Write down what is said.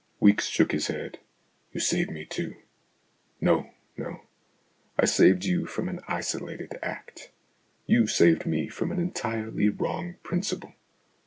Weeks shook his head. " You saved me too." " No, no, I saved you from an isolated act. You saved me from an entirely wrong principle.